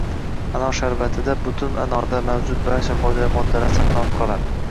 Anor sharbatida butun anorda mavjud barcha foydali moddalar saqlanib qoladi.